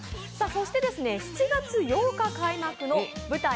そして７月８日開幕の舞台